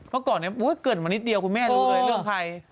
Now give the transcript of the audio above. เมื่อก่อนนี้เกิดมานิดเดียวคุณแม่รู้เลยเรื่องใคร